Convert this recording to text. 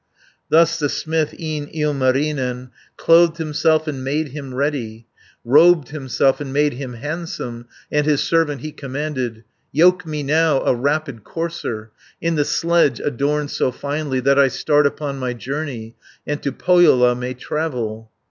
Thus the smith, e'en Ilmarinen, Clothed himself, and made him ready, 380 Robed himself, and made him handsome, And his servant he commanded: "Yoke me now a rapid courser, In the sledge adorned so finely, That I start upon my journey, And to Pohjola may travel."